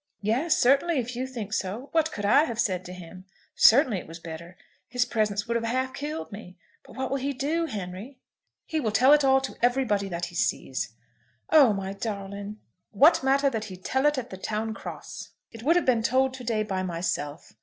"Yes; certainly, if you think so. What could I have said to him? Certainly it was better. His presence would have half killed me. But what will he do, Henry?" "He will tell it all to everybody that he sees." "Oh, my darling!" "What matter though he tells it at the town cross? It would have been told to day by myself."